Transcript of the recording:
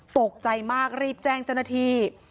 ตกใจมากรีบแจ้งจนาที